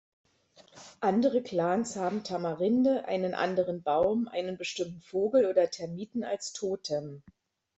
Andere Clans haben Tamarinde, einen anderen Baum, einen bestimmten Vogel oder Termiten als Totem.